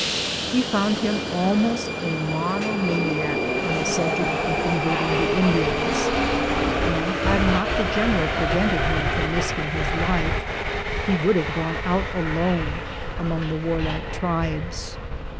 We found him almost a 248 BOOTS AND SADDLES monomaniac on the subject of converting the Indians, and had not the general prevented him from risking his life, he would have gone out alone among the war like tribes.